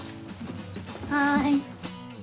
はい。